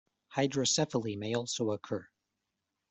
Hydrocephaly may also occur.